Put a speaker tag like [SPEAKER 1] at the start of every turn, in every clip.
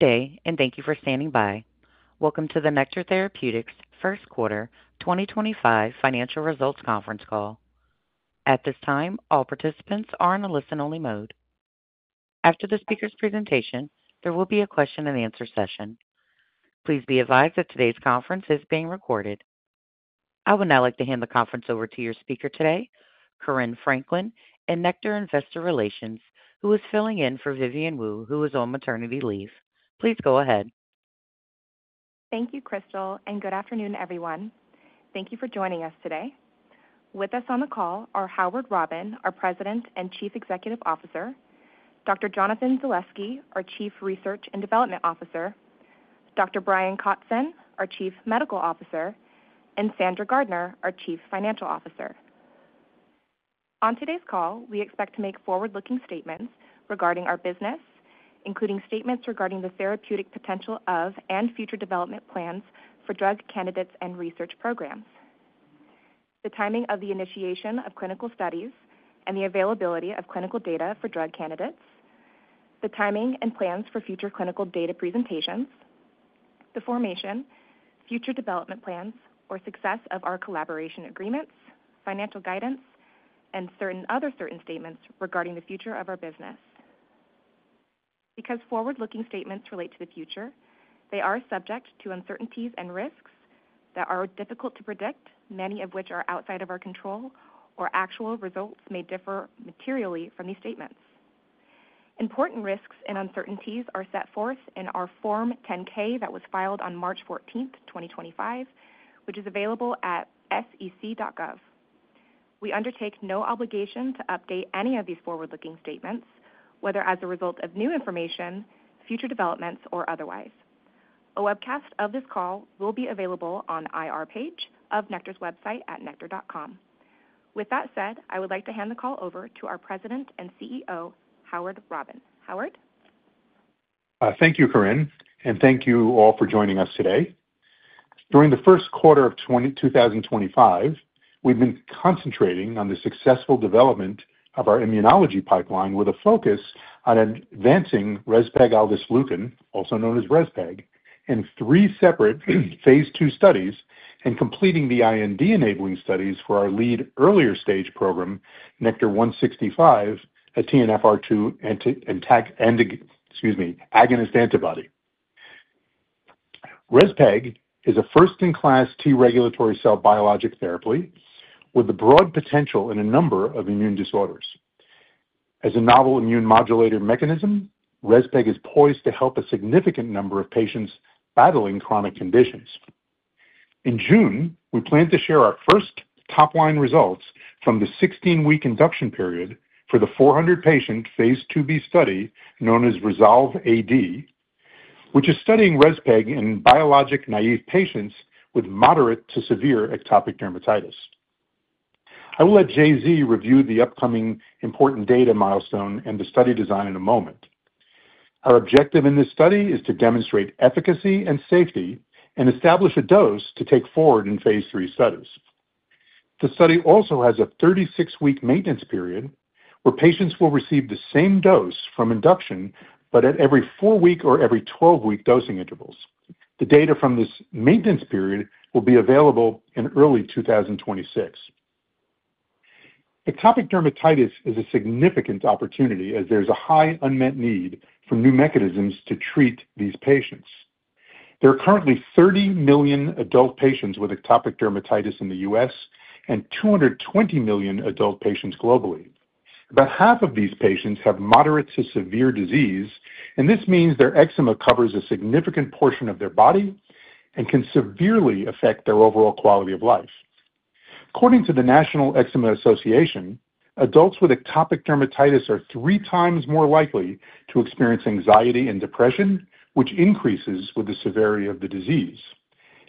[SPEAKER 1] Day and thank you for standing by. Welcome to the Nektar Therapeutics first quarter 2025 financial results conference call. At this time, all participants are in a listen-only mode. After the speaker's presentation, there will be a question-and-answer session. Please be advised that today's conference is being recorded. I would now like to hand the conference over to your speaker today, Corinne Franklin, in Nektar Investor Relations, who is filling in for Vivian Wu, who is on maternity leave. Please go ahead.
[SPEAKER 2] Thank you, Crystal, and good afternoon, everyone. Thank you for joining us today. With us on the call are Howard Robin, our President and Chief Executive Officer; Dr. Jonathan Zalevsky, our Chief Research and Development Officer; Dr. Brian Kotzin, our Chief Medical Officer; and Sandra Gardiner, our Chief Financial Officer. On today's call, we expect to make forward-looking statements regarding our business, including statements regarding the therapeutic potential of and future development plans for drug candidates and research programs, the timing of the initiation of clinical studies and the availability of clinical data for drug candidates, the timing and plans for future clinical data presentations, the formation, future development plans, or success of our collaboration agreements, financial guidance, and other certain statements regarding the future of our business. Because forward-looking statements relate to the future, they are subject to uncertainties and risks that are difficult to predict, many of which are outside of our control, or actual results may differ materially from these statements. Important risks and uncertainties are set forth in our Form 10-K that was filed on March 14, 2025, which is available at sec.gov. We undertake no obligation to update any of these forward-looking statements, whether as a result of new information, future developments, or otherwise. A webcast of this call will be available on the IR page of Nektar's website at nektar.com. With that said, I would like to hand the call over to our President and CEO, Howard Robin. Howard?
[SPEAKER 3] Thank you, Corinne, and thank you all for joining us today. During the first quarter of 2025, we've been concentrating on the successful development of our immunology pipeline with a focus on advancing rezpegaldesleukin, also known as REZPEG, in three separate phase II studies and completing the IND enabling studies for our lead earlier stage program, NKTR-0165, a TNFR2 agonist antibody. REZPEG is a first-in-class T regulatory cell biologic therapy with a broad potential in a number of immune disorders. As a novel immune modulator mechanism, REZPEG is poised to help a significant number of patients battling chronic conditions. In June, we plan to share our first top-line results from the 16-week induction period for the 400-patient phase 2b study known as RESOLVE-AD, which is studying REZPEG in biologic naive patients with moderate to severe atopic dermatitis. I will let JZ review the upcoming important data milestone and the study design in a moment. Our objective in this study is to demonstrate efficacy and safety and establish a dose to take forward in phase three studies. The study also has a 36-week maintenance period where patients will receive the same dose from induction, but at every four-week or every 12-week dosing intervals. The data from this maintenance period will be available in early 2026. Atopic dermatitis is a significant opportunity as there's a high unmet need for new mechanisms to treat these patients. There are currently 30 million adult patients with atopic dermatitis in the U.S. and 220 million adult patients globally. About half of these patients have moderate to severe disease, and this means their eczema covers a significant portion of their body and can severely affect their overall quality of life. According to the National Eczema Association, adults with atopic dermatitis are three times more likely to experience anxiety and depression, which increases with the severity of the disease.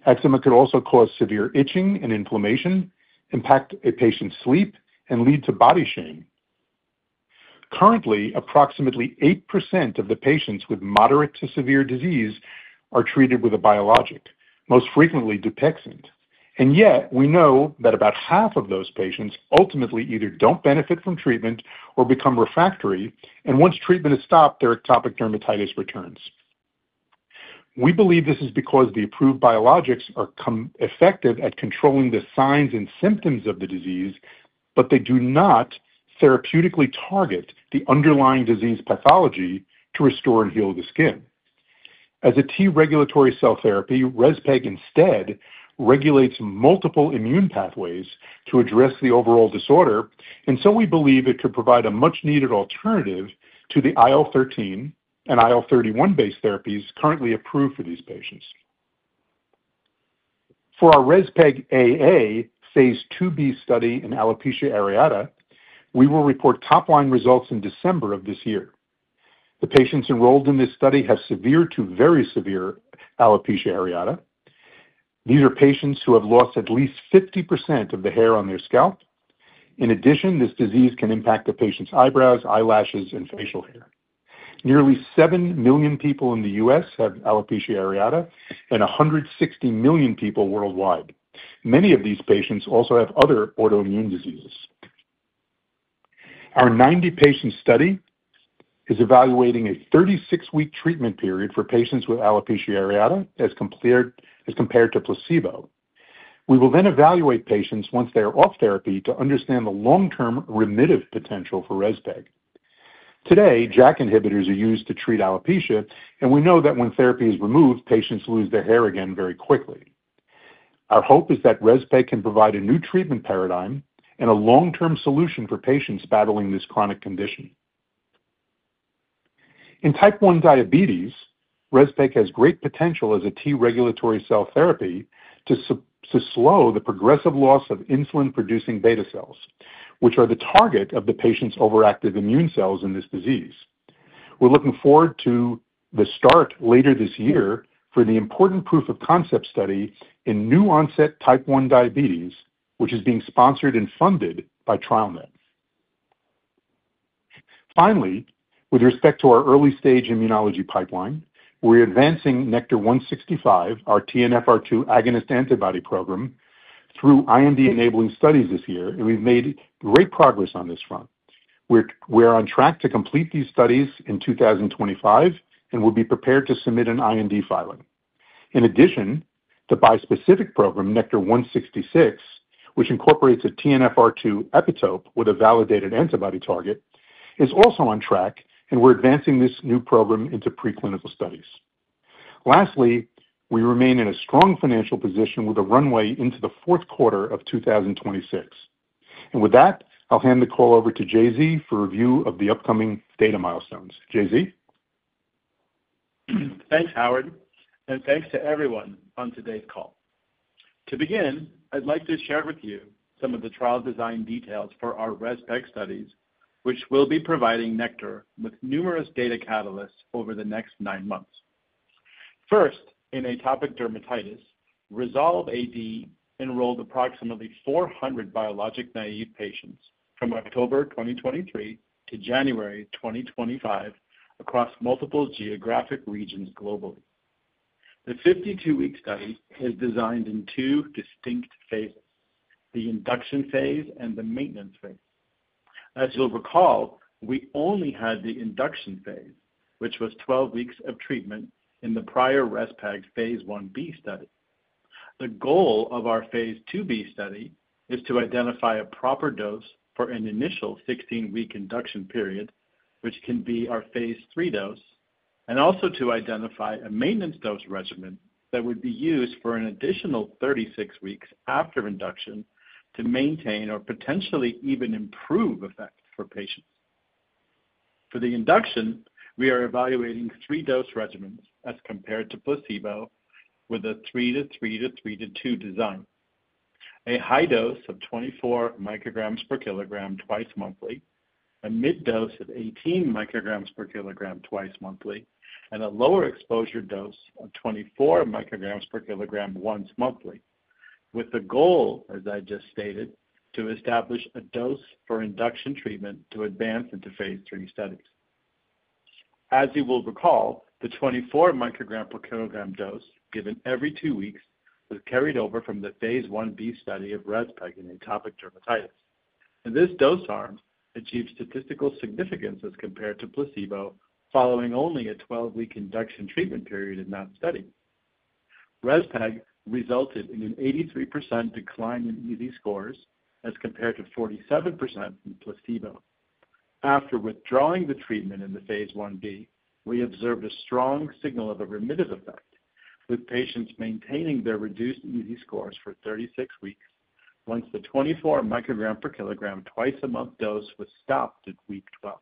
[SPEAKER 3] Eczema could also cause severe itching and inflammation, impact a patient's sleep, and lead to body shame. Currently, approximately 8% of the patients with moderate to severe disease are treated with a biologic, most frequently Dupixent. We know that about half of those patients ultimately either do not benefit from treatment or become refractory, and once treatment is stopped, their atopic dermatitis returns. We believe this is because the approved biologics are effective at controlling the signs and symptoms of the disease, but they do not therapeutically target the underlying disease pathology to restore and heal the skin. As a T regulatory cell therapy, REZPEG instead regulates multiple immune pathways to address the overall disorder, and we believe it could provide a much-needed alternative to the IL-13 and IL-31-based therapies currently approved for these patients. For our REZPEG AA phase 2b study in alopecia areata, we will report top-line results in December of this year. The patients enrolled in this study have severe to very severe alopecia areata. These are patients who have lost at least 50% of the hair on their scalp. In addition, this disease can impact the patient's eyebrows, eyelashes, and facial hair. Nearly 7 million people in the U.S. have alopecia areata and 160 million people worldwide. Many of these patients also have other autoimmune diseases. Our 90-patient study is evaluating a 36-week treatment period for patients with alopecia areata as compared to placebo. We will then evaluate patients once they are off therapy to understand the long-term remissive potential for REZPEG. Today, JAK inhibitors are used to treat alopecia, and we know that when therapy is removed, patients lose their hair again very quickly. Our hope is that REZPEG can provide a new treatment paradigm and a long-term solution for patients battling this chronic condition. In type 1 diabetes, REZPEG has great potential as a T regulatory cell therapy to slow the progressive loss of insulin-producing beta cells, which are the target of the patient's overactive immune cells in this disease. We're looking forward to the start later this year for the important proof of concept study in new-onset type 1 diabetes, which is being sponsored and funded by TrialNet. Finally, with REZPEGt to our early-stage immunology pipeline, we're advancing NKTR-0165, our TNFR2 agonist antibody program, through IND-enabling studies this year, and we've made great progress on this front. We're on track to complete these studies in 2025 and will be prepared to submit an IND filing. In addition, the bispecific program, NKTR-0166, which incorporates a TNFR2 epitope with a validated antibody target, is also on track, and we're advancing this new program into preclinical studies. Lastly, we remain in a strong financial position with a runway into the fourth quarter of 2026. With that, I'll hand the call over to JZ for review of the upcoming data milestones. JZ?
[SPEAKER 4] Thanks, Howard, and thanks to everyone on today's call. To begin, I'd like to share with you some of the trial design details for our REZPEG studies, which will be providing Nektar with numerous data catalysts over the next nine months. First, in atopic dermatitis, RESOLVE-AD enrolled approximately 400 biologic naive patients from October 2023 to January 2025 across multiple geographic regions globally. The 52-week study is designed in two distinct phases: the induction phase and the maintenance phase. As you'll recall, we only had the induction phase, which was 12 weeks of treatment in the prior REZPEG phase 1b study. The goal of our phase 2b study is to identify a proper dose for an initial 16-week induction period, which can be our phase three dose, and also to identify a maintenance dose regimen that would be used for an additional 36 weeks after induction to maintain or potentially even improve effect for patients. For the induction, we are evaluating three dose regimens as compared to placebo with a 3:3:3:2 design: a high dose of 24 micrograms per kilogram twice monthly, a mid dose of 18 micrograms per kilogram twice monthly, and a lower exposure dose of 24 micrograms per kilogram once monthly, with the goal, as I just stated, to establish a dose for induction treatment to advance into phase three studies. As you will recall, the 24 microgram per kilogram dose given every two weeks was carried over from the phase 1b study of rezpegaldesleukin in atopic dermatitis. This dose arm achieved statistical significance as compared to placebo, following only a 12-week induction treatment period in that study. REZPEG resulted in an 83% decline in EASI scores as compared to 47% in placebo. After withdrawing the treatment in the phase 1b, we observed a strong signal of a remissive effect, with patients maintaining their reduced EASI scores for 36 weeks once the 24 microgram per kilogram twice a month dose was stopped at week 12.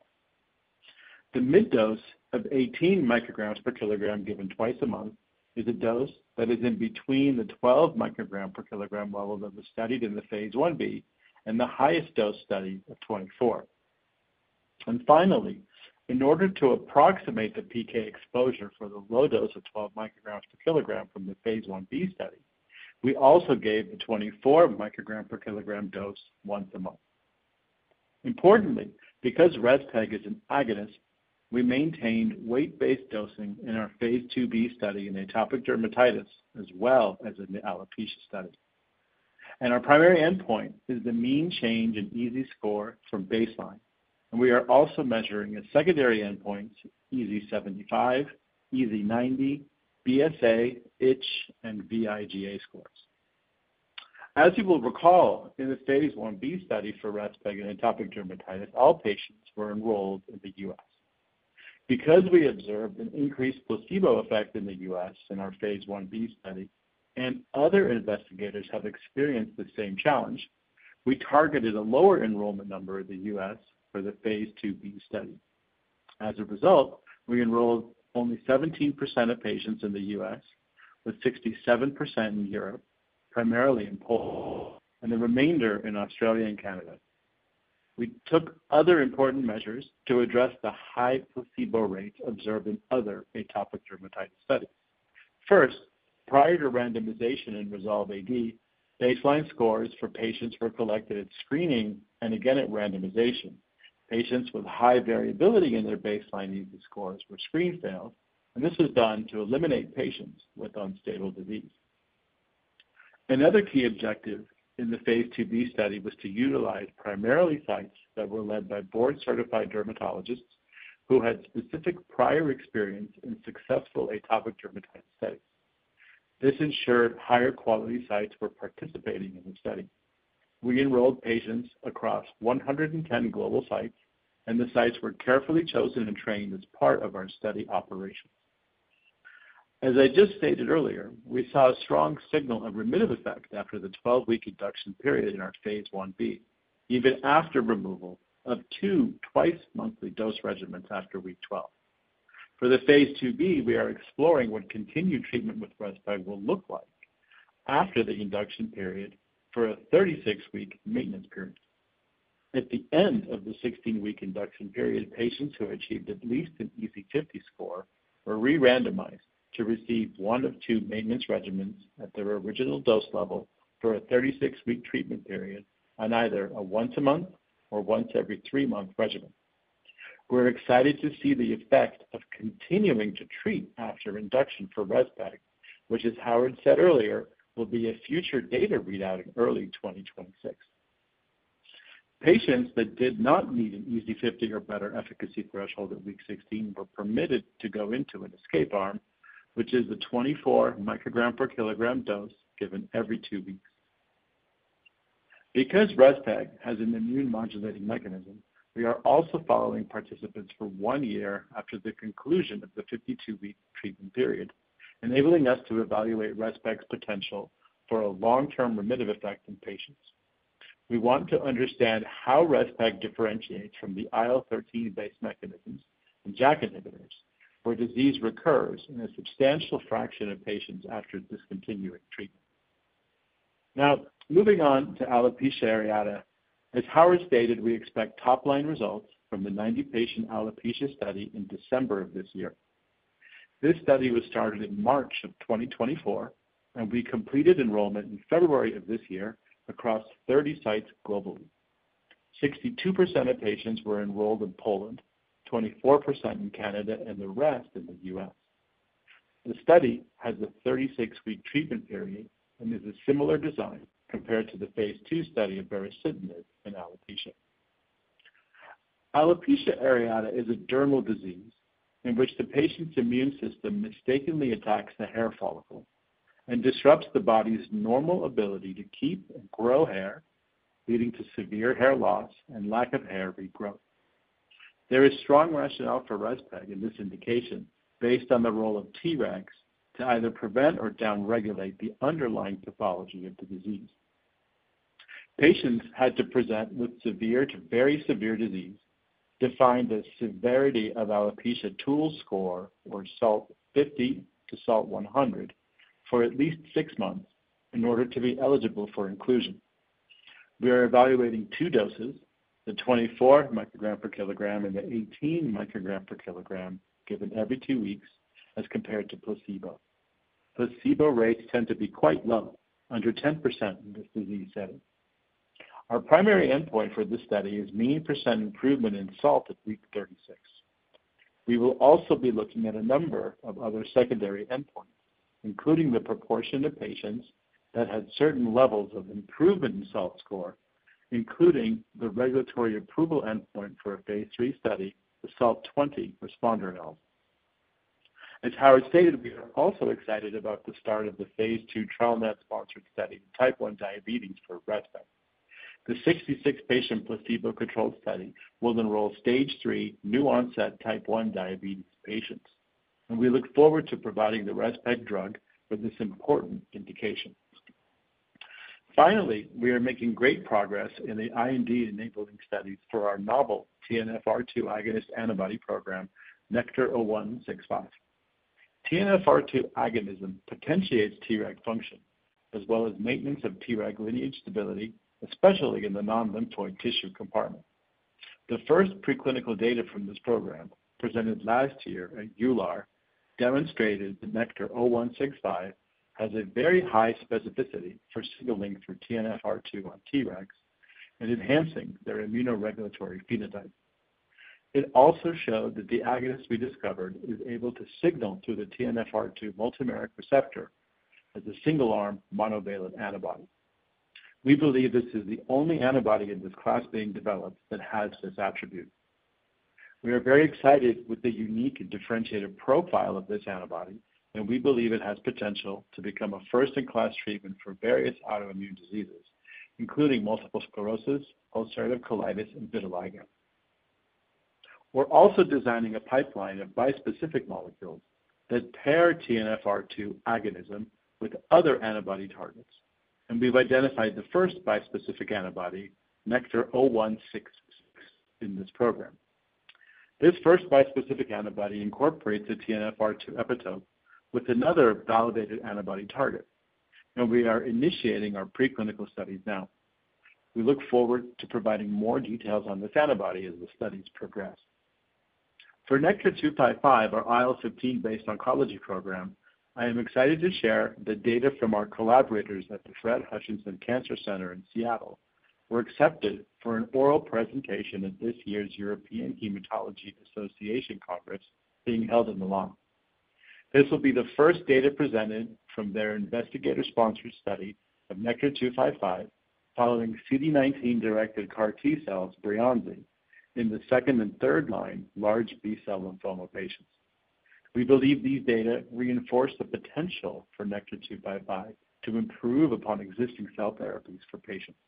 [SPEAKER 4] The mid dose of 18 micrograms per kilogram given twice a month is a dose that is in between the 12 microgram per kilogram level that was studied in the phase 1b and the highest dose study of 24. Finally, in order to approximate the PK exposure for the low dose of 12 micrograms per kilogram from the phase 1b study, we also gave the 24 microgram per kilogram dose once a month. Importantly, because REZPEG is an agonist, we maintained weight-based dosing in our phase 2b study in atopic dermatitis as well as in the alopecia study. Our primary endpoint is the mean change in EASI score from baseline, and we are also measuring a secondary endpoint, EASI75, EASI90, BSA, ITCH, and VIGA scores. As you will recall, in the phase 1b study for REZPEG in atopic dermatitis, all patients were enrolled in the U.S. Because we observed an increased placebo effect in the U.S. in our phase 1b study and other investigators have experienced the same challenge, we targeted a lower enrollment number in the U.S. for the phase 2b study. As a result, we enrolled only 17% of patients in the U.S., with 67% in Europe, primarily in Poland, and the remainder in Australia and Canada. We took other important measures to address the high placebo rates observed in other atopic dermatitis studies. First, prior to randomization in RESOLVE-AD, baseline scores for patients were collected at screening and again at randomization. Patients with high variability in their baseline EASI scores were screen failed, and this was done to eliminate patients with unstable disease. Another key objective in the phase 2b study was to utilize primarily sites that were led by board-certified dermatologists who had specific prior experience in successful atopic dermatitis studies. This ensured higher quality sites were participating in the study. We enrolled patients across 110 global sites, and the sites were carefully chosen and trained as part of our study operations. As I just stated earlier, we saw a strong signal of remissive effect after the 12-week induction period in our phase 1b, even after removal of two twice-monthly dose regimens after week 12. For the phase 2b, we are exploring what continued treatment with rezpegaldesleukin will look like after the induction period for a 36-week maintenance period. At the end of the 16-week induction period, patients who achieved at least an EASI 50 score were re-randomized to receive one of two maintenance regimens at their original dose level for a 36-week treatment period on either a once-a-month or once-every-three-month regimen. We're excited to see the effect of continuing to treat after induction for rezpegaldesleukin, which, as Howard Robin said earlier, will be a future data readout in early 2026. Patients that did not meet an EASI 50 or better efficacy threshold at week 16 were permitted to go into an escape arm, which is the 24 microgram per kilogram dose given every two weeks. Because rezpegaldesleukin has an immune modulating mechanism, we are also following participants for one year after the conclusion of the 52-week treatment period, enabling us to evaluate rezpegaldesleukin's potential for a long-term remissive effect in patients. We want to understand how rezpegaldesleukin differentiates from the IL-13-based mechanisms and JAK inhibitors, where disease recurs in a substantial fraction of patients after discontinuing treatment. Now, moving on to alopecia areata, as Howard stated, we expect top-line results from the 90-patient alopecia study in December of this year. This study was started in March of 2024, and we completed enrollment in February of this year across 30 sites globally. 62% of patients were enrolled in Poland, 24% in Canada, and the rest in the U.S. The study has a 36-week treatment period and is a similar design compared to the phase 2 study of baricitinib in alopecia. Alopecia areata is a dermal disease in which the patient's immune system mistakenly attacks the hair follicle and disrupts the body's normal ability to keep and grow hair, leading to severe hair loss and lack of hair regrowth. There is strong rationale for rezpegaldesleukin in this indication based on the role of Tregs to either prevent or downregulate the underlying pathology of the disease. Patients had to present with severe to very severe disease defined as Severity of Alopecia Tool score or SALT 50-100 for at least six months in order to be eligible for inclusion. We are evaluating two doses, the 24 microgram per kilogram and the 18 microgram per kilogram given every two weeks as compared to placebo. Placebo rates tend to be quite low, under 10% in this disease setting. Our primary endpoint for this study is mean percent improvement in SALT at week 36. We will also be looking at a number of other secondary endpoints, including the proportion of patients that had certain levels of improvement in SALT score, including the regulatory approval endpoint for a phase three study, the SALT 20 responder analysis. As Howard stated, we are also excited about the start of the PHASE II TrialNet-sponsored study in type 1 diabetes for rezpegaldesleukin. The 66-patient placebo-controlled study will enroll stage three new-onset type 1 diabetes patients, and we look forward to providing the rezpegaldesleukin drug for this important indication. Finally, we are making great progress in the IND enabling studies for our novel TNFR2 agonist antibody program, NKTR-0165. TNFR2 agonism potentiates Treg function as well as maintenance of Treg lineage stability, especially in the non-lymphatic tissue compartment. The first preclinical data from this program presented last year at EULAR demonstrated that NKTR-0165 has a very high specificity for signaling through TNFR2 on Tregs and enhancing their immunoregulatory phenotype. It also showed that the agonist we discovered is able to signal through the TNFR2 multimeric receptor as a single-arm monovalent antibody. We believe this is the only antibody in this class being developed that has this attribute. We are very excited with the unique differentiated profile of this antibody, and we believe it has potential to become a first-in-class treatment for various autoimmune diseases, including multiple sclerosis, ulcerative colitis, and vitiligo. We're also designing a pipeline of bispecific molecules that pair TNFR2 agonism with other antibody targets, and we've identified the first bispecific antibody, NKTR-0166, in this program. This first bispecific antibody incorporates a TNFR2 epitope with another validated antibody target, and we are initiating our preclinical studies now. We look forward to providing more details on this antibody as the studies progress. For NKTR-255, our IL-15-based oncology program, I am excited to share the data from our collaborators at the Fred Hutchinson Cancer Center in Seattle were accepted for an oral presentation at this year's European Hematology Association Conference being held in Milan. This will be the first data presented from their investigator-sponsored study of NKTR-255 following CD19-directed CAR T cells BRIANZI in the second and third-line large B-cell lymphoma patients. We believe these data reinforce the potential for NKTR-255 to improve upon existing cell therapies for patients.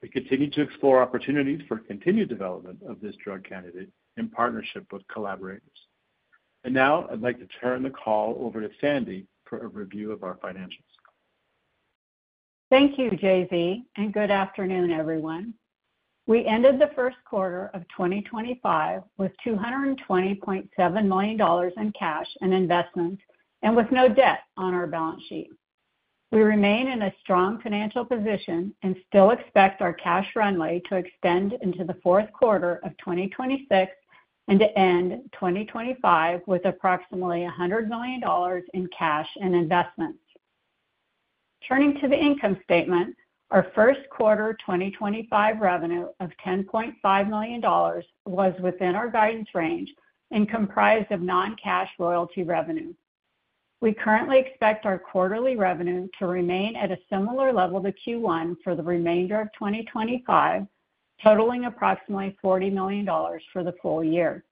[SPEAKER 4] We continue to explore opportunities for continued development of this drug candidate in partnership with collaborators. Now, I'd like to turn the call over to Sandy for a review of our financials.
[SPEAKER 5] Thank you, JZ, and good afternoon, everyone. We ended the first quarter of 2025 with $220.7 million in cash and investment and with no debt on our balance sheet. We remain in a strong financial position and still expect our cash runway to extend into the fourth quarter of 2026 and to end 2025 with approximately $100 million in cash and investments. Turning to the income statement, our first quarter 2025 revenue of $10.5 million was within our guidance range and comprised of non-cash royalty revenue. We currently expect our quarterly revenue to remain at a similar level to Q1 for the remainder of 2025, totaling approximately $40 million for the full year.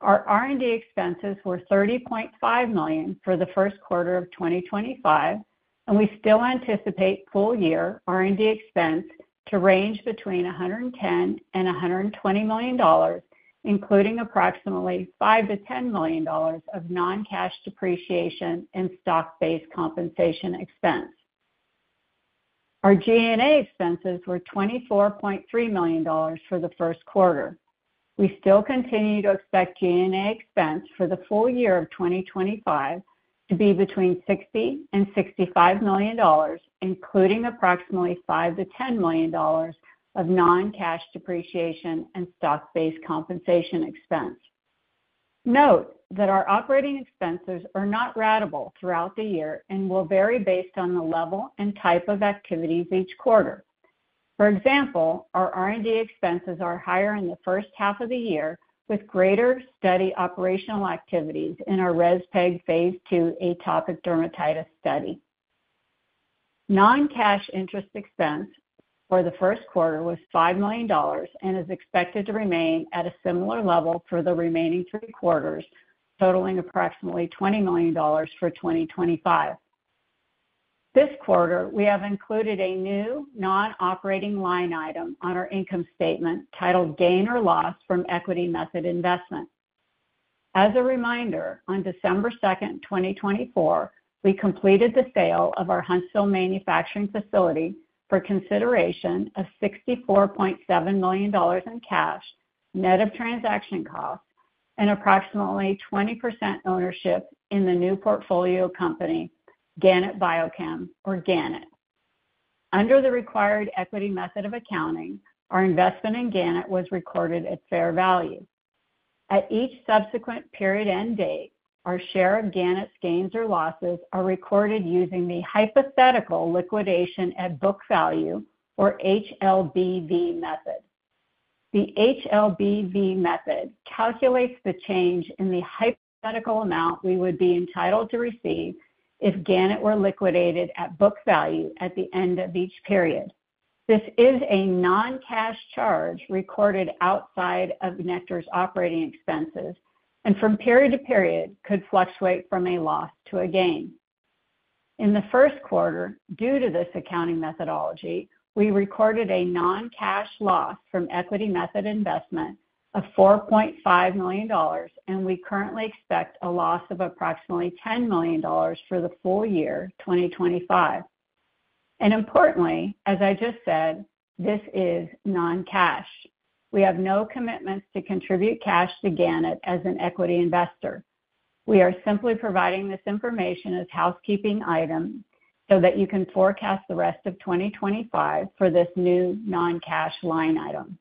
[SPEAKER 5] Our R&D expenses were $30.5 million for the first quarter of 2025, and we still anticipate full-year R&D expense to range $110 million to $120 million, including $5 million to $10 million of non-cash depreciation and stock-based compensation expense. Our G&A expenses were $24.3 million for the first quarter. We still continue to expect G&A expense for the full year of 2025 to be $60 million to $65 million, including $5million to $10 million of non-cash depreciation and stock-based compensation expense. Note that our operating expenses are not ratable throughout the year and will vary based on the level and type of activities each quarter. For example, our R&D expenses are higher in the first half of the year with greater study operational activities in our RESOLVE-AD PHASE II atopic dermatitis study. Non-cash interest expense for the first quarter was $5 million and is expected to remain at a similar level for the remaining three quarters, totaling approximately $20 million for 2025. This quarter, we have included a new non-operating line item on our income statement titled Gain or Loss from Equity Method Investment. As a reminder, on December 2, 2024, we completed the sale of our Huntsville manufacturing facility for consideration of $64.7 million in cash, net of transaction costs, and approximately 20% ownership in the new portfolio company, Gannett Biochem, or Gannett. Under the required equity method of accounting, our investment in Gannett was recorded at fair value. At each subsequent period end date, our share of Gannett's gains or losses is recorded using the hypothetical liquidation at book value, or HLBV method. The HLBV method calculates the change in the hypothetical amount we would be entitled to receive if Gannett were liquidated at book value at the end of each period. This is a non-cash charge recorded outside of Nektar's operating expenses and from period to period could fluctuate from a loss to a gain. In the first quarter, due to this accounting methodology, we recorded a non-cash loss from equity method investment of $4.5 million, and we currently expect a loss of approximately $10 million for the full year 2025. Importantly, as I just said, this is non-cash. We have no commitments to contribute cash to Gannett as an equity investor. We are simply providing this information as housekeeping items so that you can forecast the rest of 2025 for this new non-cash line item.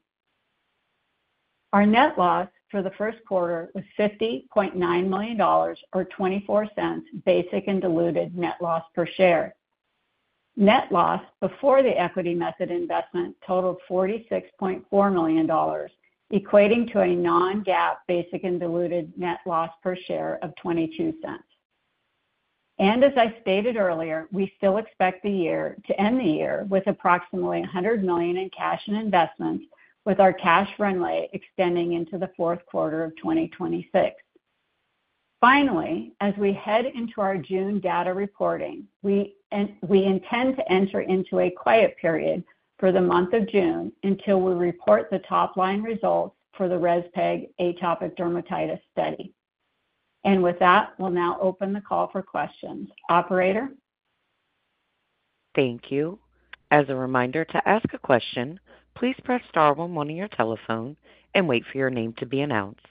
[SPEAKER 5] Our net loss for the first quarter was $50.9 million, or $0.24 basic and diluted net loss per share. Net loss before the equity method investment totaled $46.4 million, equating to a non-GAAP basic and diluted net loss per share of $0.22. As I stated earlier, we still expect the year to end the year with approximately $100 million in cash and investments, with our cash runway extending into the fourth quarter of 2026. Finally, as we head into our June data reporting, we intend to enter into a quiet period for the month of June until we report the top-line results for the RESPEG atopic dermatitis study. With that, we'll now open the call for questions. Operator?
[SPEAKER 1] Thank you. As a reminder to ask a question, please press star 11 on your telephone and wait for your name to be announced.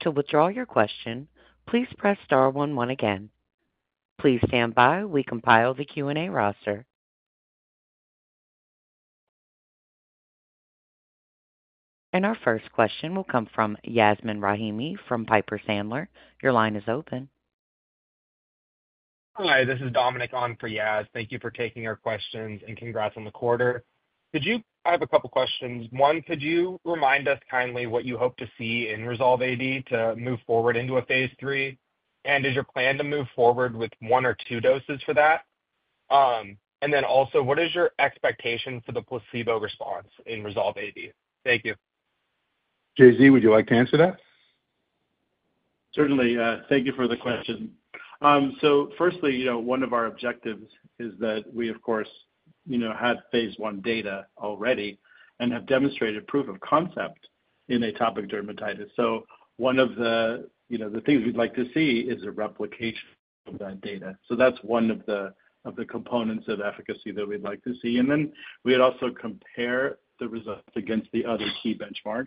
[SPEAKER 1] To withdraw your question, please press star 11 again. Please stand by while we compile the Q&A roster. Our first question will come from Yasmeen Rahimi from Piper Sandler. Your line is open.
[SPEAKER 6] Hi, this is Dominic On for Yaz. Thank you for taking our questions and congrats on the quarter. I have a couple of questions. One, could you remind us kindly what you hope to see in Resolve AD to move forward into a phase three? Is your plan to move forward with one or two doses for that? What is your expectation for the placebo response in Resolve AD? Thank you.
[SPEAKER 3] JZ, would you like to answer that?
[SPEAKER 4] Certainly. Thank you for the question. Firstly, one of our objectives is that we, of course, had phase one data already and have demonstrated proof of concept in atopic dermatitis. One of the things we'd like to see is a replication of that data. That's one of the components of efficacy that we'd like to see. We'd also compare the results against the other key benchmarks.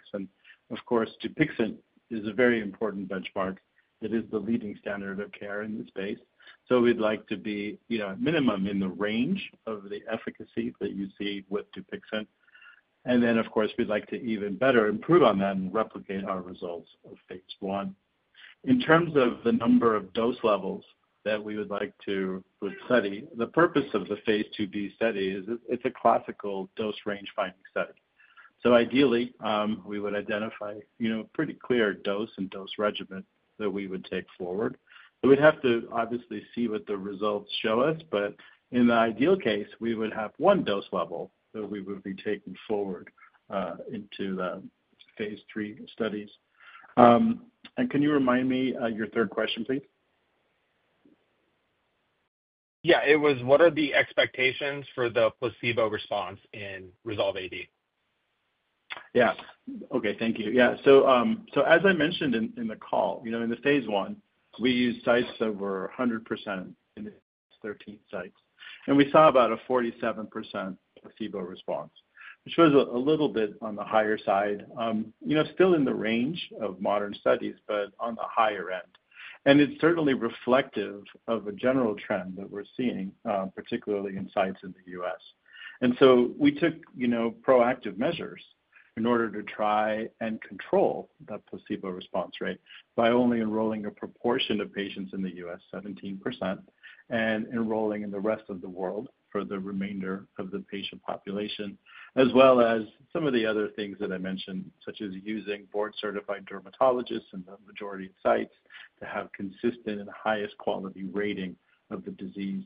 [SPEAKER 4] Dupixent is a very important benchmark. It is the leading standard of care in this space. We'd like to be at minimum in the range of the efficacy that you see with Dupixent. We'd like to even better improve on that and replicate our results of phase one. In terms of the number of dose levels that we would like to study, the purpose of the phase 2b study is it's a classical dose range finding study. Ideally, we would identify a pretty clear dose and dose regimen that we would take forward. We'd have to obviously see what the results show us, but in the ideal case, we would have one dose level that we would be taking forward into the phase 3 studies. Can you remind me your third question, please?
[SPEAKER 6] Yeah. It was, what are the expectations for the placebo response in Resolve-AD? Yeah. Okay. Thank you. As I mentioned in the call, in the phase 1, we used sites that were 100% in the 13 sites.
[SPEAKER 4] We saw about a 47% placebo response, which was a little bit on the higher side, still in the range of modern studies, but on the higher end. It is certainly reflective of a general trend that we are seeing, particularly in sites in the U.S. We took proactive measures in order to try and control that placebo response rate by only enrolling a proportion of patients in the U.S., 17%, and enrolling in the rest of the world for the remainder of the patient population, as well as some of the other things that I mentioned, such as using board-certified dermatologists in the majority of sites to have consistent and highest quality rating of the disease.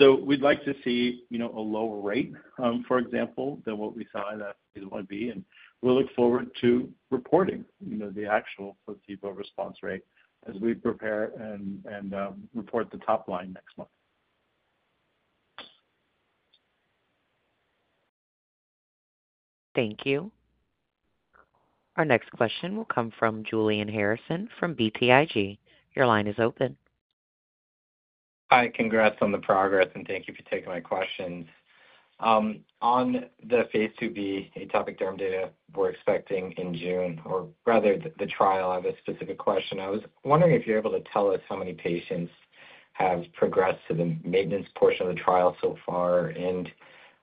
[SPEAKER 4] We would like to see a lower rate, for example, than what we saw in phase 1b. We will look forward to reporting the actual placebo response rate as we prepare and report the top line next month.
[SPEAKER 1] Thank you. Our next question will come from Julian Reed Harrison from BTIG. Your line is open.
[SPEAKER 7] Hi. Congrats on the progress, and thank you for taking my questions. On the phase 2b atopic derm data we are expecting in June, or rather the trial, I have a specific question. I was wondering if you are able to tell us how many patients have progressed to the maintenance portion of the trial so far, and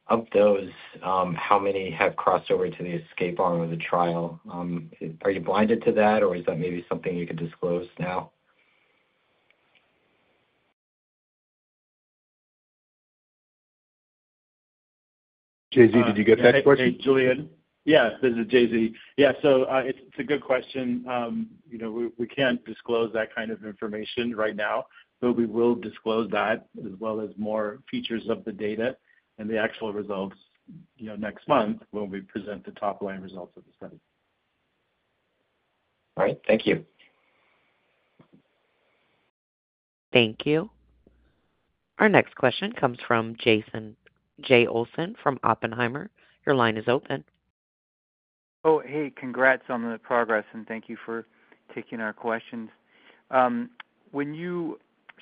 [SPEAKER 7] of those, how many have crossed over to the escape arm of the trial? Are you blinded to that, or is that maybe something you can disclose now? JZ, did you get that question?
[SPEAKER 4] Julian. Yeah. This is JZ. Yeah. It is a good question. We can't disclose that kind of information right now, but we will disclose that as well as more features of the data and the actual results next month when we present the top-line results of the study. All right.
[SPEAKER 7] Thank you.
[SPEAKER 1] Thank you. Our next question comes from Jay Olson from Oppenheimer. Your line is open.
[SPEAKER 8] Oh, hey. Congrats on the progress, and thank you for taking our questions. When you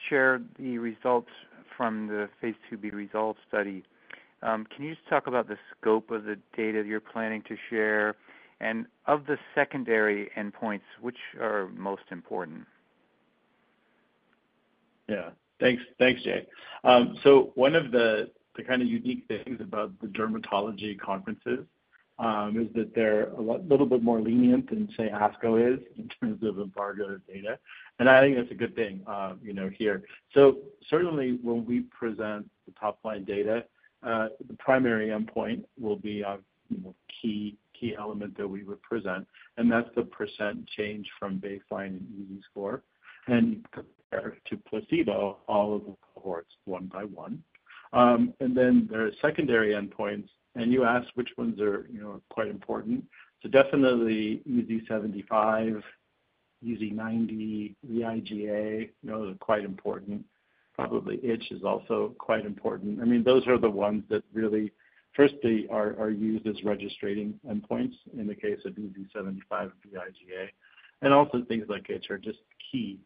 [SPEAKER 8] share the results from the phase 2b results study, can you just talk about the scope of the data that you're planning to share and of the secondary endpoints, which are most important?
[SPEAKER 4] Yeah. Thanks, Jay. So one of the kind of unique things about the dermatology conferences is that they're a little bit more lenient than, say, ASCO is in terms of embargo data. I think that's a good thing here. Certainly, when we present the top-line data, the primary endpoint will be a key element that we would present, and that's the % change from baseline in EASI score. And compared to placebo, all of the cohorts one by one. There are secondary endpoints, and you asked which ones are quite important. Definitely EASI-75, EASI-90, VIGA are quite important. Probably ITCH is also quite important. I mean, those are the ones that really, firstly, are used as registrating endpoints in the case of EASI-75 and VIGA. Also, things like ITCH are just key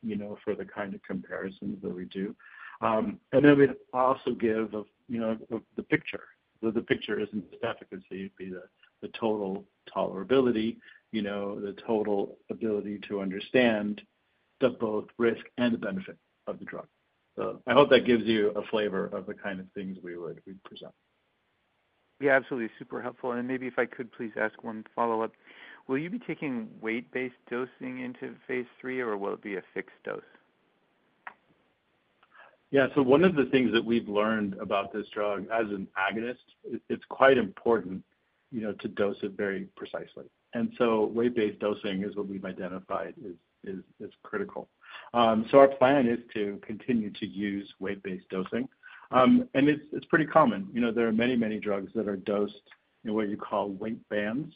[SPEAKER 4] for the kind of comparisons that we do. We'd also give the picture. The picture isn't just efficacy. It'd be the total tolerability, the total ability to understand both risk and the benefit of the drug. I hope that gives you a flavor of the kind of things we would present.
[SPEAKER 8] Yeah. Absolutely. Super helpful. And maybe if I could, please ask one follow-up. Will you be taking weight-based dosing into phase three, or will it be a fixed dose?
[SPEAKER 4] Yeah. One of the things that we've learned about this drug as an agonist, it's quite important to dose it very precisely. Weight-based dosing is what we've identified is critical. Our plan is to continue to use weight-based dosing. It's pretty common. There are many, many drugs that are dosed in what you call weight bands.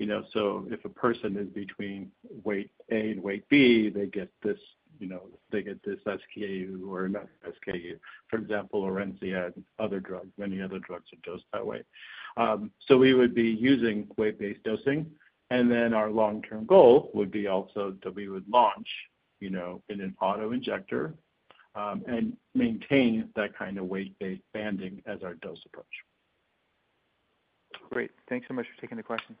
[SPEAKER 4] If a person is between weight A and weight B, they get this SKU or not SKU, for example, Orencia and other drugs. Many other drugs are dosed that way. We would be using weight-based dosing. Our long-term goal would be also that we would launch an auto injector and maintain that kind of weight-based banding as our dose approach.
[SPEAKER 8] Great. Thanks so much for taking the question.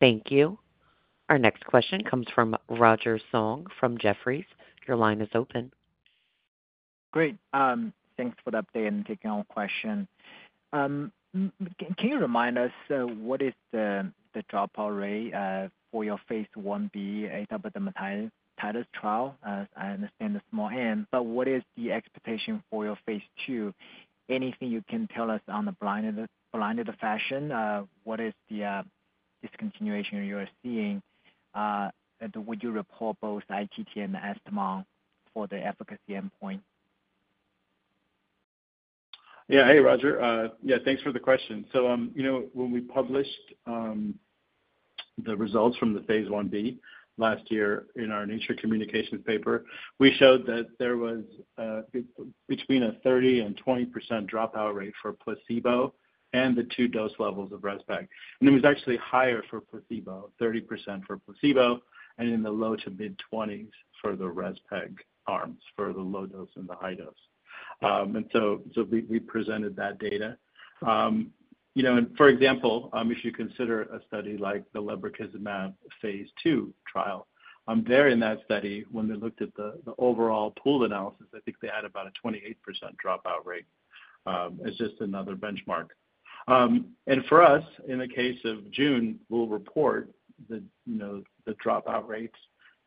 [SPEAKER 1] Thank you. Our next question comes from Roger Song from Jefferies. Your line is open.
[SPEAKER 9] Great. Thanks for the update and taking our question. Can you remind us what is the dropout rate for your phase 1b atopic dermatitis trial? I understand the small N. What is the expectation for your phase 2? Anything you can tell us on a blinded fashion? What is the discontinuation you are seeing? Would you report both ITT and the ESTAMON for the efficacy endpoint?
[SPEAKER 4] Yeah. Hey, Roger. Yeah. Thanks for the question. When we published the results from the phase 1b last year in our Nature Communications paper, we showed that there was between a 30% and 20% dropout rate for placebo and the two dose levels of REZPEG. It was actually higher for placebo, 30% for placebo, and in the low to mid-20% for the REZPEG arms for the low dose and the high dose. We presented that data. For example, if you consider a study like the lebrikizumab phase 2 trial, there in that study, when they looked at the overall pooled analysis, I think they had about a 28% dropout rate. It's just another benchmark. For us, in the case of June, we'll report the dropout rates,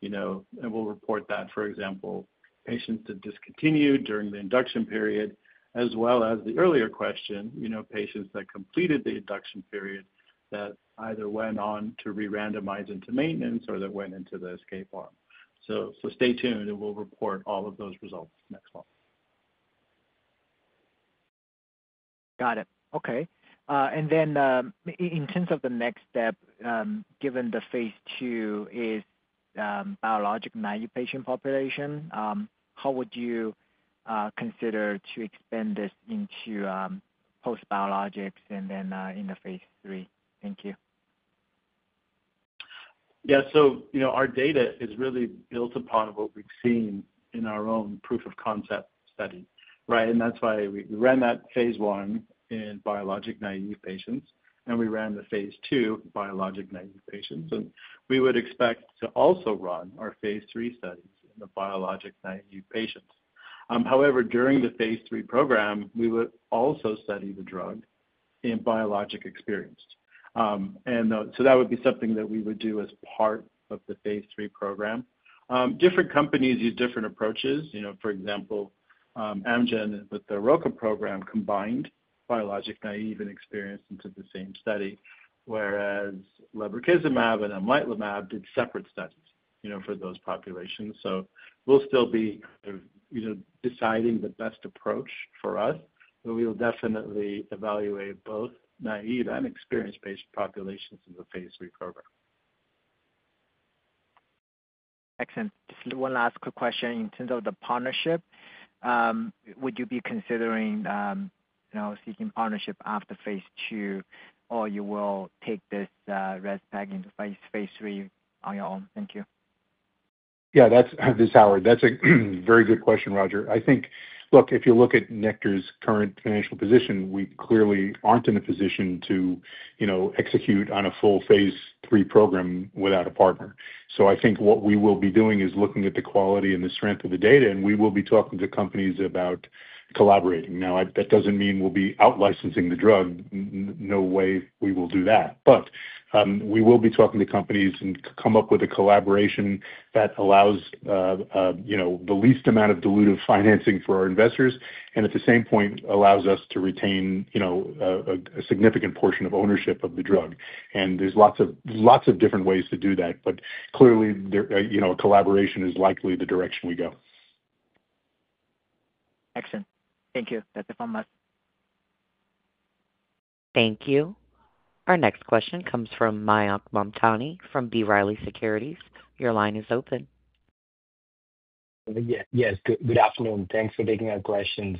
[SPEAKER 4] and we'll report that, for example, patients that discontinued during the induction period, as well as the earlier question, patients that completed the induction period that either went on to re-randomize into maintenance or that went into the escape arm. Stay tuned, and we'll report all of those results next month.
[SPEAKER 9] Got it. Okay. In terms of the next step, given the PHASE II is biologic non-upatient population, how would you consider to expand this into post-biologics and then in the phase three? Thank you.
[SPEAKER 4] Yeah. Our data is really built upon what we've seen in our own proof of concept study, right? That's why we ran that phase one in biologic naive patients, and we ran the PHASE II in biologic naive patients. We would expect to also run our phase three studies in the biologic naive patients. However, during the phase three program, we would also study the drug in biologic experienced. That would be something that we would do as part of the phase three program. Different companies use different approaches. For example, Amgen with their ROCA program combined biologic naive and experienced into the same study, whereas lebrikizumab and amytlamab did separate studies for those populations. We will still be deciding the best approach for us, but we will definitely evaluate both naive and experienced patient populations in the phase three program.
[SPEAKER 9] Excellent. Just one last quick question. In terms of the partnership, would you be considering seeking partnership after PHASE II, or you will take this REZPEG into phase three on your own? Thank you.
[SPEAKER 4] Yeah. This hour. That's a very good question, Roger. I think, look, if you look at Nektar's current financial position, we clearly aren't in a position to execute on a full phase three program without a partner. I think what we will be doing is looking at the quality and the strength of the data, and we will be talking to companies about collaborating. That doesn't mean we'll be outlicensing the drug. No way we will do that. We will be talking to companies and come up with a collaboration that allows the least amount of dilutive financing for our investors, and at the same point, allows us to retain a significant portion of ownership of the drug. There are lots of different ways to do that, but clearly, a collaboration is likely the direction we go.
[SPEAKER 9] Excellent. Thank you. That's it from us.
[SPEAKER 1] Thank you. Our next question comes from Mayank Mamtani from B. Riley Securities. Your line is open.
[SPEAKER 10] Yes. Good afternoon. Thanks for taking our questions.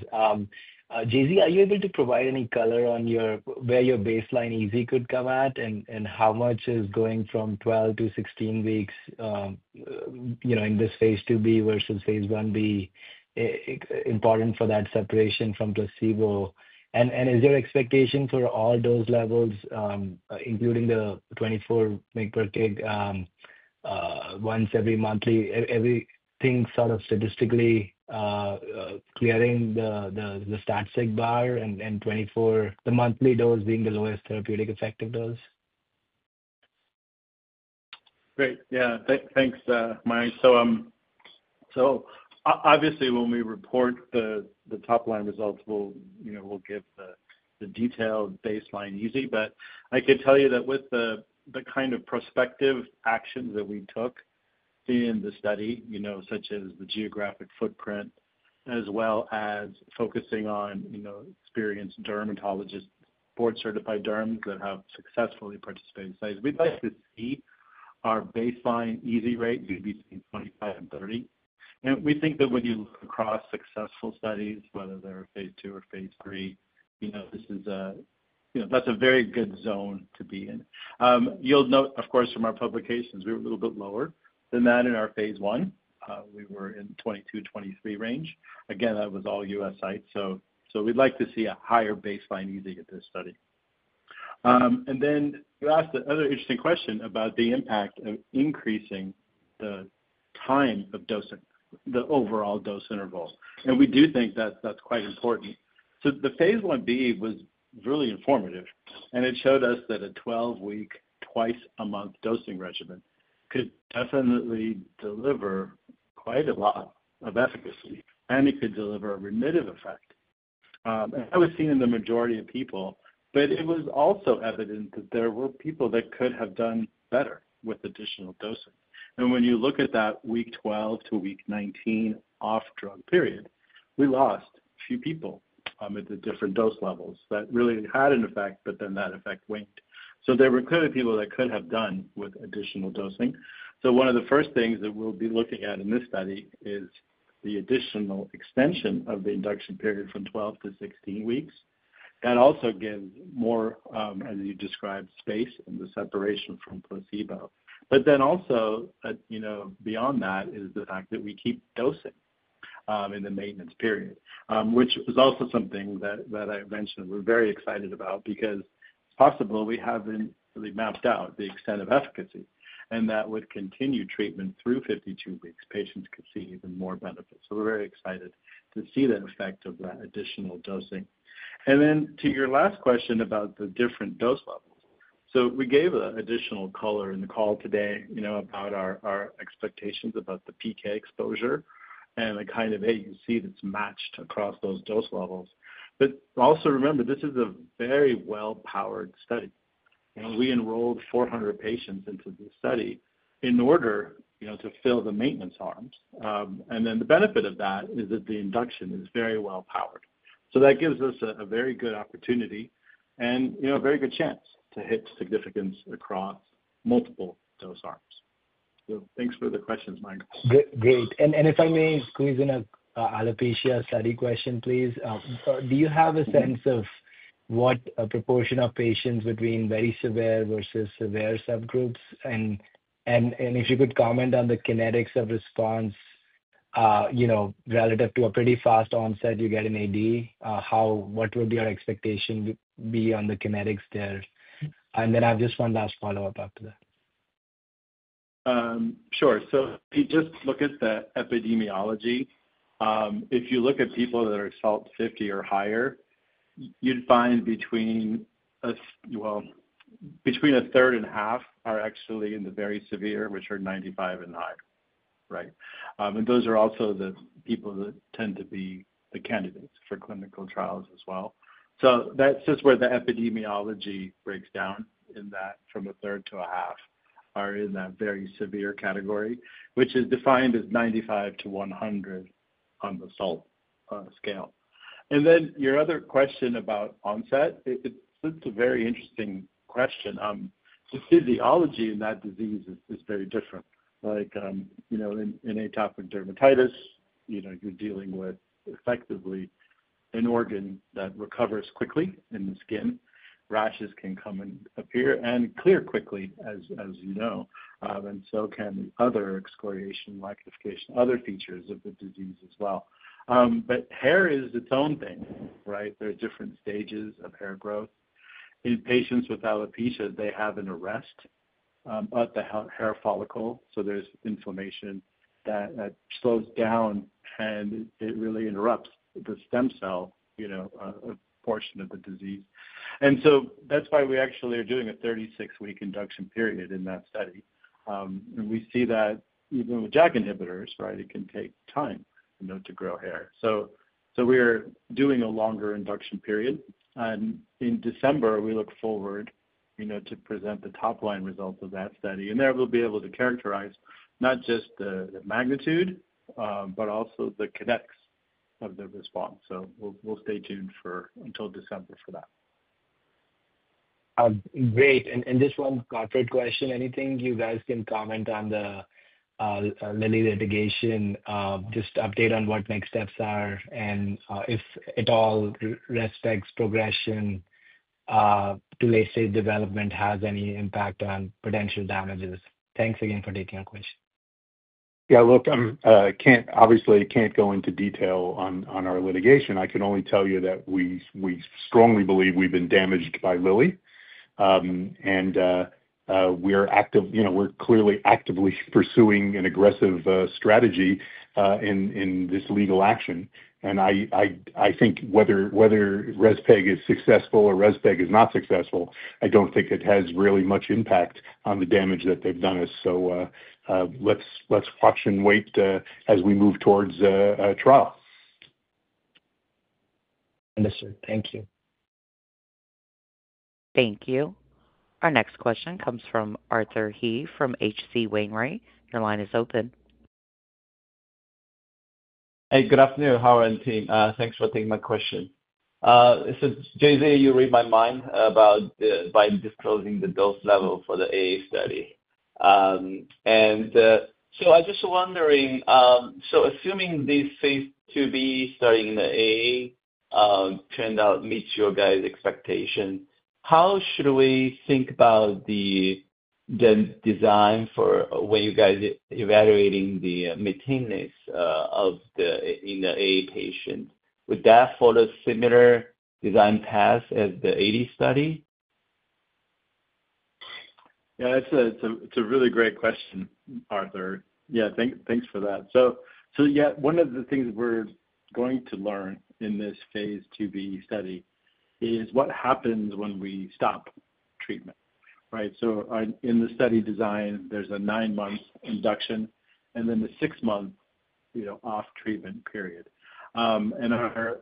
[SPEAKER 10] JZ, are you able to provide any color on where your baseline EASI could come at, and how much is going from 12 to 16 weeks in this phase 2b versus phase 1b important for that separation from placebo? Is your expectation for all dose levels, including the 24 mg/day once every monthly, everything sort of statistically clearing the stat-sig bar, and the monthly dose being the lowest therapeutic effective dose?
[SPEAKER 4] Great. Yeah. Thanks, Mayank. Obviously, when we report the top-line results, we'll give the detailed baseline EASI. I could tell you that with the kind of prospective actions that we took in the study, such as the geographic footprint, as well as focusing on experienced dermatologists, board-certified derms that have successfully participated in studies, we'd like to see our baseline EASI rate be between 25-30. We think that when you look across successful studies, whether they're PHASE II or phase three, that's a very good zone to be in. You'll note, of course, from our publications, we were a little bit lower than that in our phase one. We were in the 22-23 range. Again, that was all U.S. sites. We'd like to see a higher baseline EASI at this study. You asked another interesting question about the impact of increasing the time of dosing, the overall dose interval. We do think that that's quite important. The phase 1b was really informative, and it showed us that a 12-week, twice-a-month dosing regimen could definitely deliver quite a lot of efficacy, and it could deliver a remissive effect. That was seen in the majority of people, but it was also evident that there were people that could have done better with additional dosing. When you look at that week 12 to week 19 off-drug period, we lost a few people at the different dose levels that really had an effect, but then that effect waned. There were clearly people that could have done with additional dosing. One of the first things that we'll be looking at in this study is the additional extension of the induction period from 12 to 16 weeks. That also gives more, as you described, space in the separation from placebo. Then also, beyond that, is the fact that we keep dosing in the maintenance period, which is also something that I mentioned we're very excited about because it's possible we haven't really mapped out the extent of efficacy. That with continued treatment through 52 weeks, patients could see even more benefits. We are very excited to see the effect of that additional dosing. To your last question about the different dose levels, we gave additional color in the call today about our expectations about the PK exposure and the kind of AUC that's matched across those dose levels. Also remember, this is a very well-powered study. We enrolled 400 patients into the study in order to fill the maintenance arms. The benefit of that is that the induction is very well-powered. That gives us a very good opportunity and a very good chance to hit significance across multiple dose arms. Thanks for the questions, Mayank.
[SPEAKER 10] Great. If I may squeeze in an alopecia study question, please. Do you have a sense of what a proportion of patients between very severe versus severe subgroups? If you could comment on the kinetics of response relative to a pretty fast onset you get in AD, what would your expectation be on the kinetics there? I have just one last follow-up after that.
[SPEAKER 4] Sure. If you just look at the epidemiology, if you look at people that are SALT 50 or higher, you'd find, between a third and a half are actually in the very severe, which are 95 and high, right? Those are also the people that tend to be the candidates for clinical trials as well. That is just where the epidemiology breaks down in that from a third to a half are in that very severe category, which is defined as 95-100 on the SALT score. Your other question about onset, it is a very interesting question. The physiology in that disease is very different. In atopic dermatitis, you are dealing with effectively an organ that recovers quickly in the skin. Rashes can come and appear and clear quickly, as you know. So can the other excoriation, lichenification, other features of the disease as well. Hair is its own thing, right? There are different stages of hair growth. In patients with alopecia, they have an arrest of the hair follicle. There's inflammation that slows down, and it really interrupts the stem cell, a portion of the disease. That's why we actually are doing a 36-week induction period in that study. We see that even with JAK inhibitors, right, it can take time to grow hair. We're doing a longer induction period. In December, we look forward to present the top-line results of that study. There we'll be able to characterize not just the magnitude, but also the kinetics of the response. We'll stay tuned until December for that.
[SPEAKER 10] Great. This one, Cartwright question, anything you guys can comment on the Lilly litigation, just update on what next steps are and if at all, REZPEG's progression to late-stage development has any impact on potential damages. Thanks again for taking our question.
[SPEAKER 4] Yeah. Look, I obviously can't go into detail on our litigation. I can only tell you that we strongly believe we've been damaged by Lilly. We're clearly actively pursuing an aggressive strategy in this legal action. I think whether REZPEG is successful or REZPEG is not successful, I don't think it has really much impact on the damage that they've done us. Let's watch and wait as we move towards a trial.
[SPEAKER 10] Understood. Thank you.
[SPEAKER 1] Thank you. Our next question comes from Arthur Hee from H.C. Wainwright. Your line is open.
[SPEAKER 11] Hey, good afternoon. How are you and team? Thanks for taking my question. JZ, you read my mind about disclosing the dose level for the AA study. I'm just wondering, assuming this phase 2b starting in the AA turned out to meet your guys' expectations, how should we think about the design for when you guys are evaluating the maintenance in the AA patient? Would that follow a similar design path as the AD study?
[SPEAKER 4] Yeah. It's a really great question, Arthur. Yeah. Thanks for that. One of the things we're going to learn in this phase 2b study is what happens when we stop treatment, right? In the study design, there's a nine-month induction and then a six-month off-treatment period. Our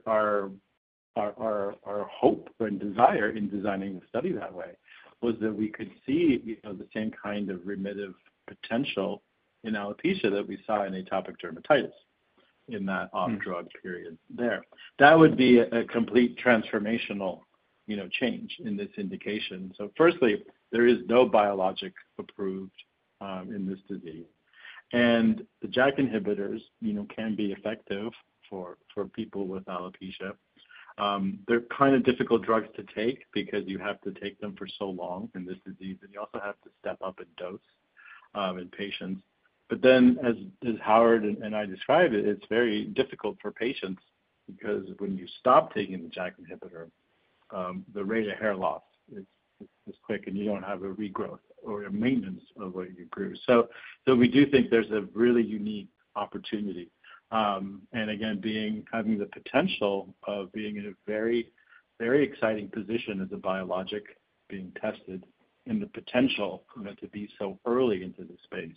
[SPEAKER 4] hope and desire in designing the study that way was that we could see the same kind of remissive potential in alopecia that we saw in atopic dermatitis in that off-drug period there. That would be a complete transformational change in this indication. Firstly, there is no biologic approved in this disease. The JAK inhibitors can be effective for people with alopecia. They're kind of difficult drugs to take because you have to take them for so long in this disease, and you also have to step up a dose in patients. As Howard and I describe it, it's very difficult for patients because when you stop taking the JAK inhibitor, the rate of hair loss is quick, and you don't have a regrowth or a maintenance of what you grew. We do think there's a really unique opportunity. Again, having the potential of being in a very, very exciting position as a biologic being tested and the potential to be so early into this space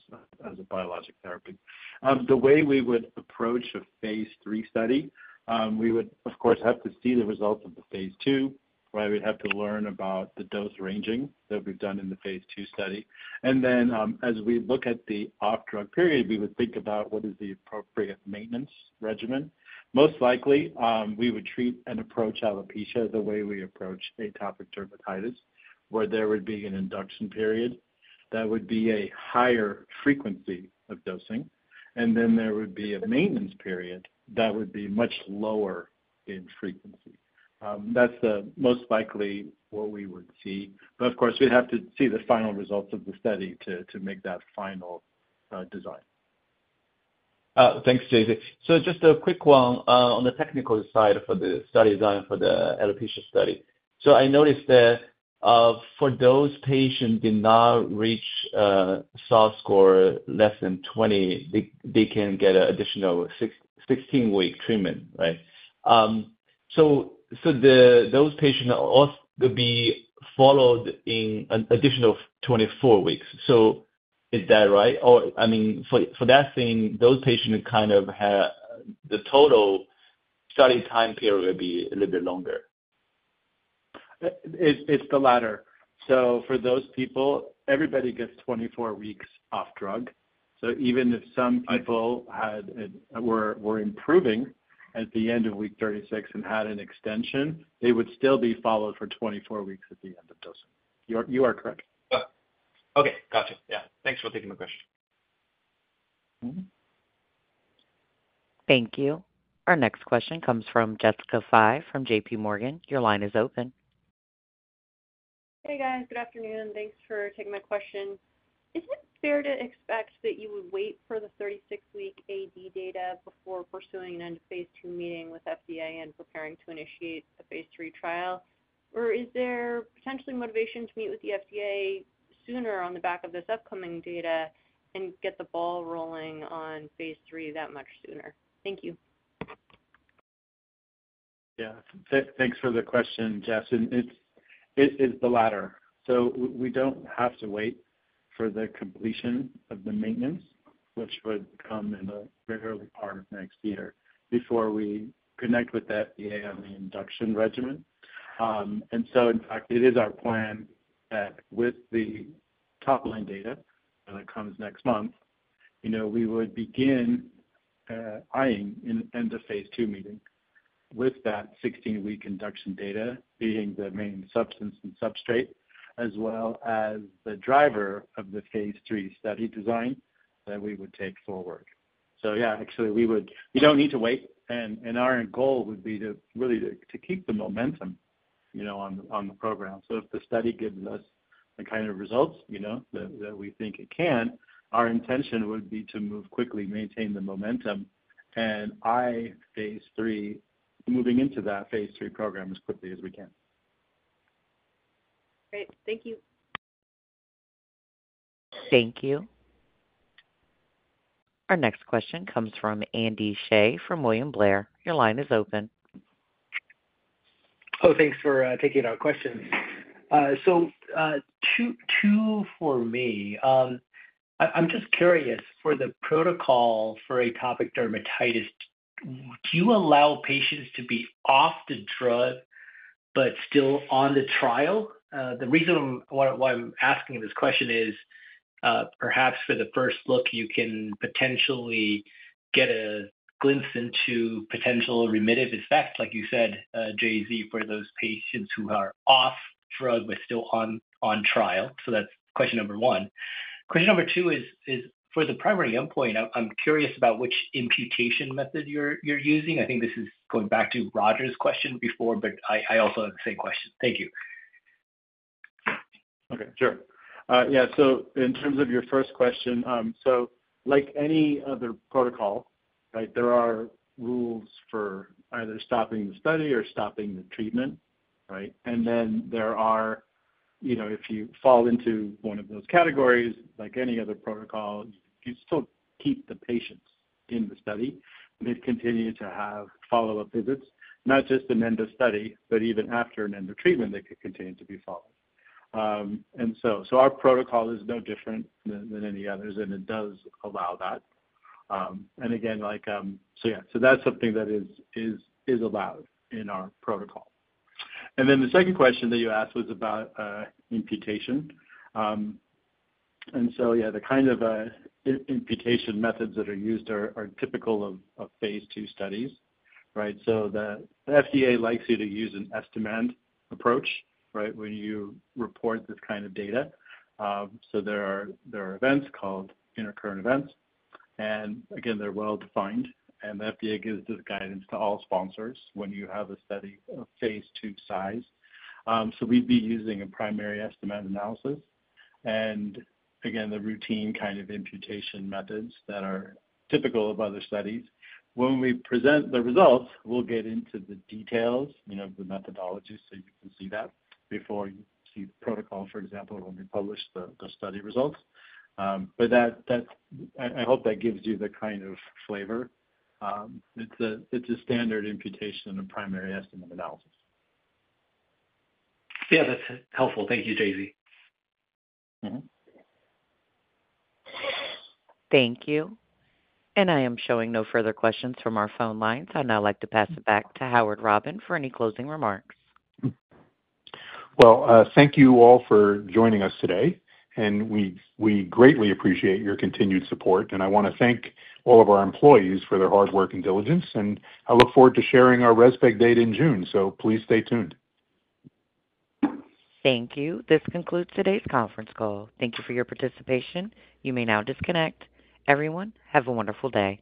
[SPEAKER 4] as a biologic therapy. The way we would approach a phase three study, we would, of course, have to see the results of the PHASE II, right? We'd have to learn about the dose ranging that we've done in the PHASE II study. As we look at the off-drug period, we would think about what is the appropriate maintenance regimen. Most likely, we would treat and approach alopecia the way we approach atopic dermatitis, where there would be an induction period that would be a higher frequency of dosing. There would be a maintenance period that would be much lower in frequency. That's most likely what we would see. Of course, we'd have to see the final results of the study to make that final design.
[SPEAKER 11] Thanks, JZ. Just a quick one on the technical side for the study design for the alopecia study. I noticed that for those patients who did not reach SALT score less than 20, they can get an additional 16-week treatment, right? Those patients would be followed an additional 24 weeks. Is that right? I mean, for that, those patients kind of have the total study time period would be a little bit longer.
[SPEAKER 4] It's the latter. For those people, everybody gets 24 weeks off-drug. Even if some people were improving at the end of week 36 and had an extension, they would still be followed for 24 weeks at the end of dosing. You are correct.
[SPEAKER 11] Okay. Gotcha. Yeah. Thanks for taking my question.
[SPEAKER 1] Thank you. Our next question comes from Jessica Macomber Fye from JPMorgan Chase & Co. Your line is open.
[SPEAKER 12] Hey, guys. Good afternoon. Thanks for taking my question. Is it fair to expect that you would wait for the 36-week AD data before pursuing an end-of-PHASE II meeting with FDA and preparing to initiate a phase three trial? Or is there potentially motivation to meet with the FDA sooner on the back of this upcoming data and get the ball rolling on phase three that much sooner? Thank you.
[SPEAKER 4] Yeah. Thanks for the question, Jess. It's the latter. We do not have to wait for the completion of the maintenance, which would come in the early part of next year before we connect with the FDA on the induction regimen. In fact, it is our plan that with the top-line data that comes next month, we would begin eyeing an end-of-PHASE II meeting with that 16-week induction data being the main substance and substrate as well as the driver of the phase three study design that we would take forward. Yeah, actually, we do not need to wait. Our goal would be to really keep the momentum on the program. If the study gives us the kind of results that we think it can, our intention would be to move quickly, maintain the momentum, and eye phase three, moving into that phase three program as quickly as we can.
[SPEAKER 12] Great. Thank you.
[SPEAKER 1] Thank you. Our next question comes from Andy Shea from William Blair. Your line is open.
[SPEAKER 13] Oh, thanks for taking our questions. Two for me. I'm just curious for the protocol for atopic dermatitis. Do you allow patients to be off the drug but still on the trial? The reason why I'm asking this question is perhaps for the first look, you can potentially get a glimpse into potential remissive effect, like you said, JZ, for those patients who are off-drug but still on trial. So that's question number one. Question number two is for the primary endpoint, I'm curious about which imputation method you're using. I think this is going back to Roger's question before, but I also have the same question. Thank you.
[SPEAKER 4] Okay. Sure. Yeah. So in terms of your first question, so like any other protocol, right, there are rules for either stopping the study or stopping the treatment, right? If you fall into one of those categories, like any other protocol, you still keep the patients in the study. They continue to have follow-up visits, not just an end-of-study, but even after an end-of-treatment, they could continue to be followed. Our protocol is no different than any others, and it does allow that. Yeah, that is something that is allowed in our protocol. The second question that you asked was about imputation. The kind of imputation methods that are used are typical of PHASE II studies, right? The FDA likes you to use an estimate approach, right, when you report this kind of data. There are events called intercurrent events. They are well-defined. The FDA gives this guidance to all sponsors when you have a study of PHASE II size. We'd be using a primary estimate analysis. Again, the routine kind of imputation methods that are typical of other studies. When we present the results, we'll get into the details of the methodology so you can see that before you see the protocol, for example, when we publish the study results. I hope that gives you the kind of flavor. It's a standard imputation and a primary estimate analysis.
[SPEAKER 13] Yeah. That's helpful. Thank you, JZ.
[SPEAKER 1] Thank you. I am showing no further questions from our phone lines. I'd now like to pass it back to Howard Robin for any closing remarks.
[SPEAKER 3] Thank you all for joining us today. We greatly appreciate your continued support. I want to thank all of our employees for their hard work and diligence. I look forward to sharing our REZPEG data in June. Please stay tuned.
[SPEAKER 1] Thank you. This concludes today's conference call. Thank you for your participation. You may now disconnect. Everyone, have a wonderful day.